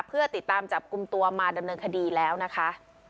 เพื่อติดตามจับกลุ่มตัวมาดำเนินคดีแล้วนะคะ